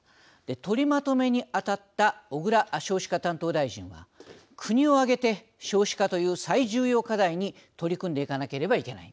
取りまとめに当たった小倉少子化担当大臣は国を挙げて少子化という最重要課題に取り組んでいかなければいけない。